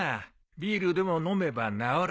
ビールでも飲めば治る。